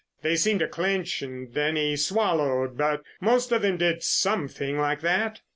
"They seemed to clench and then he swallowed, but most of them did some thing like that."